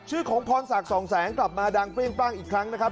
ชื่อของพรศักดิ์สองแสงกลับมาดังเปรี้ยงปร่างอีกครั้งนะครับ